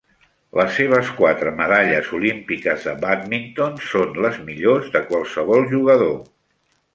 Les seves quatre medalles olímpiques de bàdminton són les millors de qualsevol jugador.